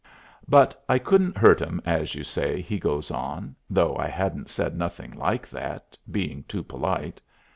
"But I couldn't hurt 'em, as you say," he goes on, though I hadn't said nothing like that, being too polite.